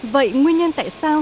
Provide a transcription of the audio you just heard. vậy nguyên nhân tại sao